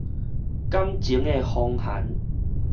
感情的風寒